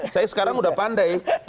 saya sekarang sudah pandai